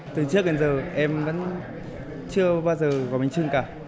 từ trước đến giờ em vẫn chưa bao giờ gọi bánh trưng cả